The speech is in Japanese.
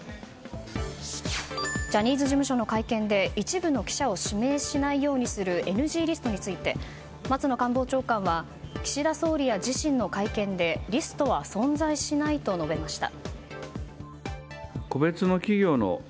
ジャニーズ事務所の会見で一部の記者を指名しないようにするＮＧリストについて松野官房長官は岸田総理や自身の会見でリストは存在しないと述べました。